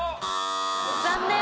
残念。